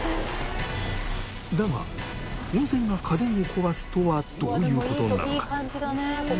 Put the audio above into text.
だが温泉が家電を壊すとはどういう事なのか？